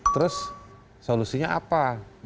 terus solusinya apa